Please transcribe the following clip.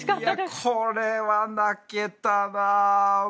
これは泣けたな。